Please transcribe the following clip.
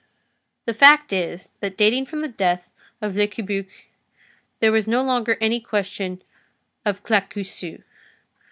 The fact is, that dating from the death of Le Cabuc, there was no longer any question of Claquesous.